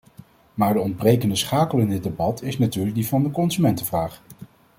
Maar de ontbrekende schakel in dit debat is natuurlijk die van de consumentenvraag.